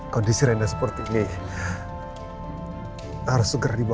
kondisi rendah seperti ini harus segera dibawa